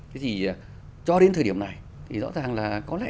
thế thì cho đến thời điểm này thì rõ ràng là có lẽ